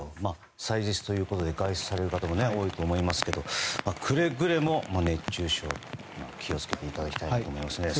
祭日ということで外出される方も多いと思いますけどくれぐれも熱中症には気を付けていただきたいです。